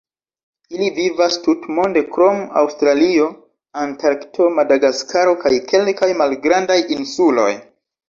Ili vivas tutmonde krom Aŭstralio, Antarkto, Madagaskaro kaj kelkaj malgrandaj insuloj.